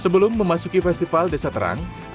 sebelum memasuki festival desa terang